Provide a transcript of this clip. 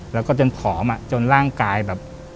แล้วก็จนผอมจนร่างกายแบบ